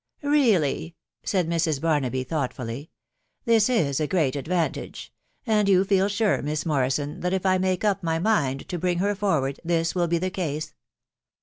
" Really I " said Mrs. Barnaby, thoughtfully. "This is a great advantage :.••. and you feel sure, Miss Morrison, that if I do make up my mind to bring her forward, tut will be the case